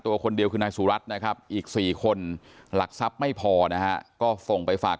ตัวคนเดียวคือนายสุรัตน์นะครับอีก๔คนหลักทรัพย์ไม่พอนะฮะก็ส่งไปฝาก